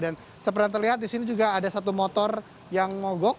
dan seperti terlihat di sini juga ada satu motor yang mogok